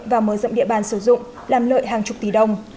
và mở rộng địa bàn sử dụng làm lợi hàng chục tỷ đồng